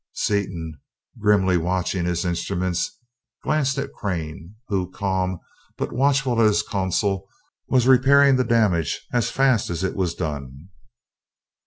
Seaton, grimly watching his instruments, glanced at Crane, who, calm but watchful at his console, was repairing the damage as fast as it was done.